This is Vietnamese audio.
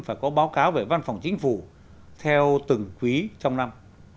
phải có báo cáo về văn phòng chính phủ theo từng quý trong năm